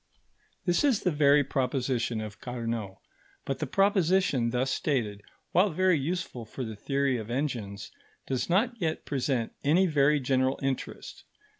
This is the very proposition of Carnot; but the proposition thus stated, while very useful for the theory of engines, does not yet present any very general interest.